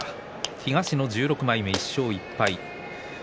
東の１６枚目、１勝１敗。